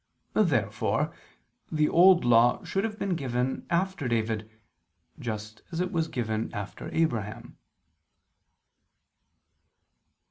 Therefore the Old Law should have been given after David, just as it was given after Abraham.